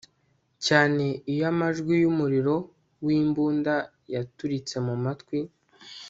cyane iyo amajwi yumuriro wimbunda yaturitse mumatwi